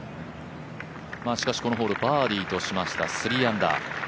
しかしこのホール、バーディーとしました、３アンダー。